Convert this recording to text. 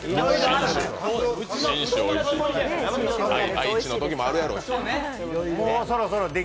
愛知のときもあるやろうし。